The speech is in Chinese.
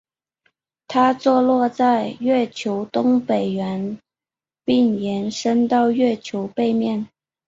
它坐落在月球东北缘并延伸到月球背面。